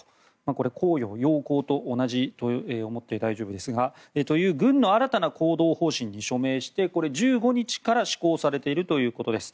綱要要綱と同じと思って大丈夫ですが軍の新たな行動方針に署名して１５日から施行されているということです。